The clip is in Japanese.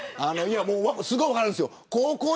すごい分かるんですよ。